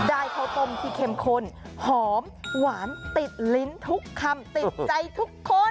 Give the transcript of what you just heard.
ข้าวต้มที่เข้มข้นหอมหวานติดลิ้นทุกคำติดใจทุกคน